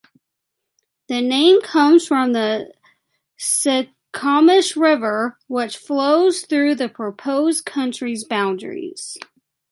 The name comes from the Skykomish River, which flows through the proposed county's boundaries.